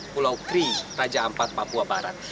pulau kri raja ampat papua barat